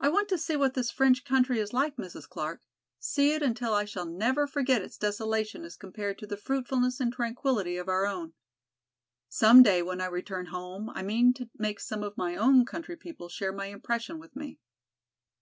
"I want to see what this French country is like, Mrs. Clark, see it until I shall never forget its desolation as compared to the fruitfulness and tranquility of our own. Some day when I return home I mean to make some of my own country people share my impression with me."